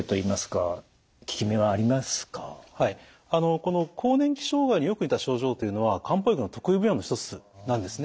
この更年期障害によく似た症状というのは漢方薬の得意分野の一つなんですね。